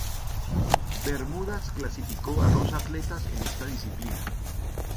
Bermudas clasificó a dos atletas en esta disciplina.